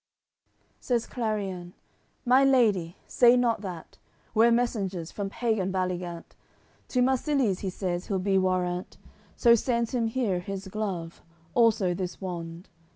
AOI. CXCVI Says Clarien: "My lady, say not that! We're messengers from pagan Baligant; To Marsilies, he says, he'll be warrant, So sends him here his glove, also this wand.